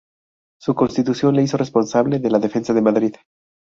Su constitución le hizo responsable de la defensa de Madrid.